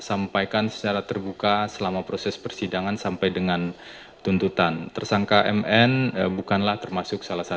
apakah terkait dengan sumber sumbernya